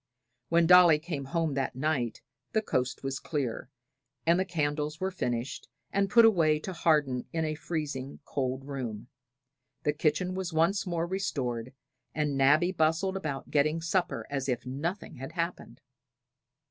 When Dolly came home that night the coast was clear, and the candles were finished and put away to harden in a freezing cold room; the kitchen was once more restored, and Nabby bustled about getting supper as if nothing had happened.